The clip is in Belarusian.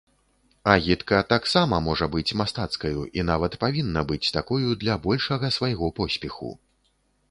Агітка таксама можа быць мастацкаю і нават павінна быць такою для большага свайго поспеху.